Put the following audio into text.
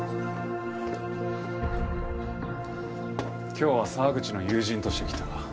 今日は沢口の友人として来た。